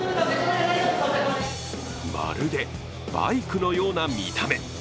まるでバイクのような見た目。